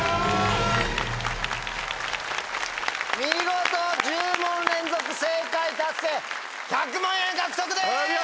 見事１０問連続正解達成１００万円獲得です！